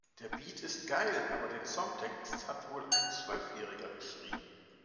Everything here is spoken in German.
Der Beat ist geil, aber den Songtext hat wohl ein Zwölfjähriger geschrieben.